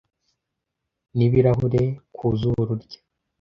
n'ibirahuri ku zuru rye